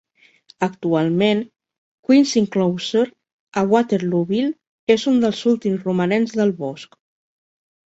Actualment, Queens Inclosure a Waterlooville és un dels últims romanents del bosc.